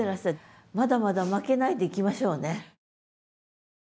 まだまだ負けないでいきましょうね。